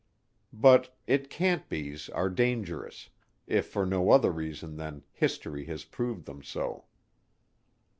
But "It can't be's" are dangerous, if for no other reason than history has proved them so.